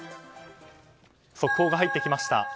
速報が入ってきました。